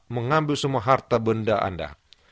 mengambil semua harta benda anda